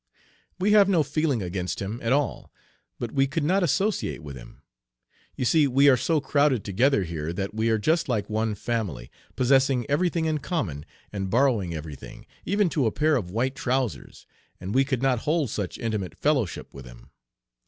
We have no feeling against him at all, but we could not associate with him. You see we are so crowded together here that we are just like one family, possessing every thing in common and borrowing every thing, even to a pair of white trousers, and we could not hold such intimate fellowship with him.